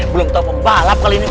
belum tahu membalap kali ini